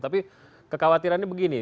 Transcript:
tapi kekhawatirannya begini